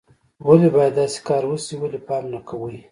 ولې باید داسې کار وشي، ولې پام نه کوئ